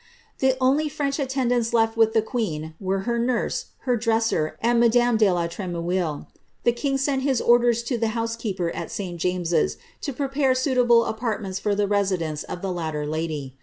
The only French attendants \e(i with the queen were her nurse, her dresser, and madame de la Tremouille ; the king sent his orders to the housekeeper at St. James's, to prepare suitable apartments for the resi dence of the latter lady.